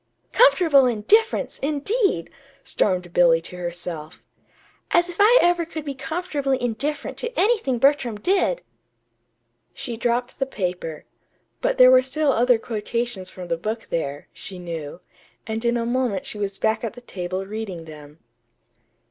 "'Comfortable indifference,' indeed!" stormed Billy to herself. "As if I ever could be comfortably indifferent to anything Bertram did!" She dropped the paper; but there were still other quotations from the book there, she knew; and in a moment she was back at the table reading them.